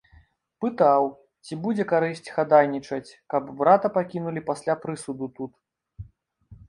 Пытаў, ці будзе карысць хадайнічаць, каб брата пакінулі пасля прысуду тут.